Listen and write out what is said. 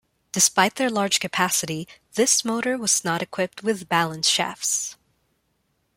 Despite their large capacity, this motor was not equipped with balance shafts.